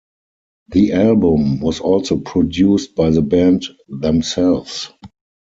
The album was also produced by the band themselves.